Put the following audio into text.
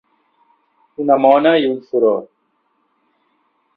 Una mona i un furó.